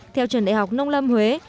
theo trường đại học nông lâm huế